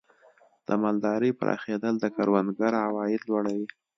د مالدارۍ پراخېدل د کروندګر عواید لوړوي.